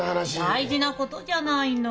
大事なことじゃないの。